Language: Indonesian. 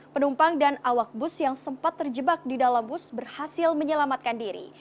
penumpang dan awak bus yang sempat terjebak di dalam bus berhasil menyelamatkan diri